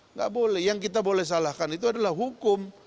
nggak boleh yang kita boleh salahkan itu adalah hukum